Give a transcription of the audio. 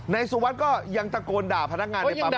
สุวัสดิ์ก็ยังตะโกนด่าพนักงานในปั๊ม